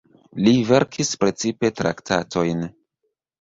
Li verkis precipe traktatojn.